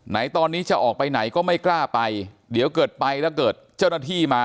ไหนตอนนี้จะออกไปไหนก็ไม่กล้าไปเดี๋ยวเกิดไปแล้วเกิดเจ้าหน้าที่มา